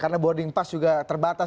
karena boarding pass juga terbatas